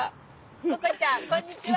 ここちゃんこんにちは！